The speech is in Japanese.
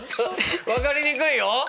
分かりにくいよ！